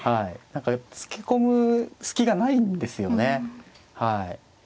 何かつけ込む隙がないんですよね。